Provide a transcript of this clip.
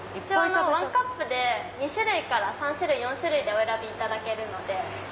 ワンカップで２種類から３種類４種類でお選びいただけるので。